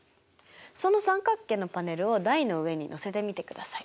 その三角形のパネルを台の上にのせてみてください。